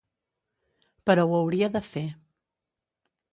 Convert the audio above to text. Però ho hauria de fer.